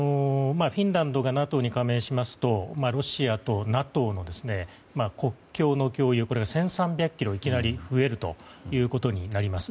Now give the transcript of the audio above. フィンランドがＮＡＴＯに加盟しますとロシアとＮＡＴＯの国境線がこれは１３００ｋｍ、いきなり増えるということになります。